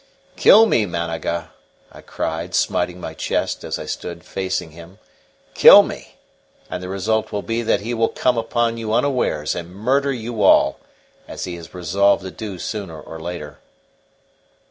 "Kill me, Managa," I cried, smiting my chest as I stood facing him. "Kill me, and the result will be that he will come upon you unawares and murder you all, as he has resolved to do sooner or later."